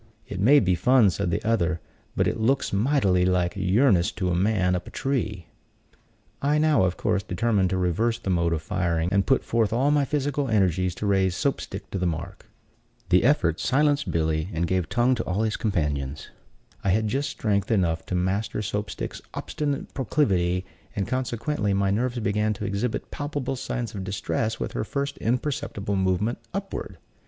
"It may be fun," said the other, "but it looks mightily like yearnest to a man up a tree." I now, of course, determined to reverse the mode of firing, and put forth all my physical energies to raise Soap stick to the mark. The effort silenced Billy, and gave tongue to all his companions. I had just strength enough to master Soap stick's obstinate proclivity, and, consequently, my nerves began to exhibit palpable signs of distress with her first imperceptible movement upward.